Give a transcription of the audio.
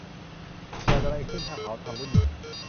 เกิดอะไรขึ้นถ้าเขาทำรุ่นใหม่